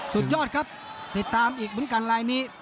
สุดยอดครับติดตามอีกบุญการลายนี้